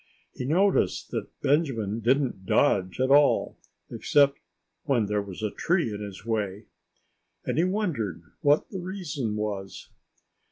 He noticed that Benjamin didn't dodge at all—except when there was a tree in his way. And he wondered what the reason was.